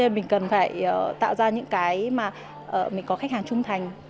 mình cần tạo ra những cái mà mình có khách hàng trung thành